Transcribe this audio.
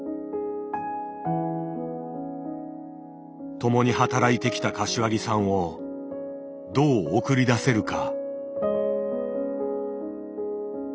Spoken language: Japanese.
共に働いてきた柏木さんをどう送り出せるか。